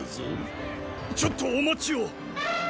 ちょっとお待ちを！